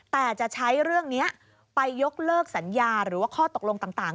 แต่จะใช้เรื่องนี้ไปยกเลิกสัญญาหรือว่าข้อตกลงต่าง